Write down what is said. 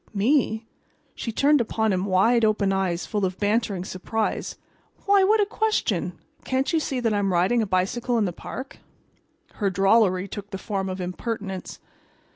"Me?" She turned upon him wide open eyes full of bantering surprise. "Why, what a question! Can't you see that I'm riding a bicycle in the park?" Her drollery took the form of impertinence.